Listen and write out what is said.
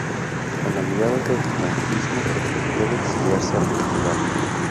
Con la llegada del franquismo debe exiliarse a Portugal.